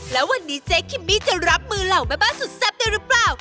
แล้ววันนี้เจ๊คิมมี่จะรับมือเหล่าแม่บ้านสุดแซ่บได้หรือเปล่า